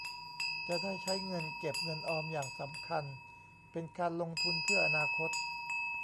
จะได้ใช้เงินเก็บเงินออมอย่างสำคัญเป็นการลงทุนเพื่ออนาคต